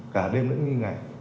cả đêm đến những ngày